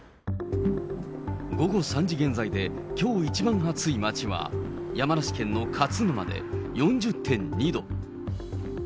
午後３時現在できょう一番暑い町は、山梨県の勝沼で４０．２度。